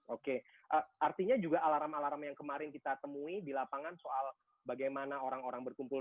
oke artinya juga alarm alarm yang kemarin kita temui di lapangan soal bagaimana orang orang berkumpul